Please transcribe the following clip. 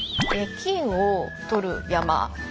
金を採る山？